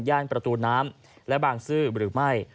ประตูน้ำและบางซื่อหรือไม่